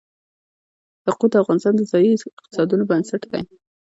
یاقوت د افغانستان د ځایي اقتصادونو بنسټ دی.